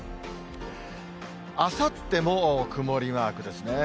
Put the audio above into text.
あさっても曇りマークですね。